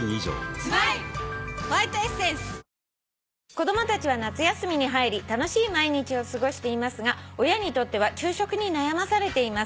「子供たちは夏休みに入り楽しい毎日を過ごしていますが親にとっては昼食に悩まされています」